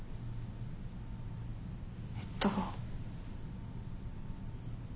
えっと。